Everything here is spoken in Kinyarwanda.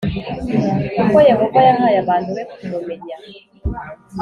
kuko Yehova yahaye abantu be kumumenya